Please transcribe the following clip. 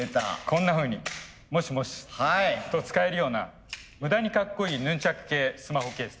こんなふうに「もしもし」と使えるような無駄にかっこいいヌンチャク系スマホケース。